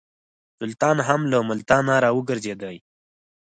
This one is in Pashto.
سلطان هم له ملتانه را وګرځېدی.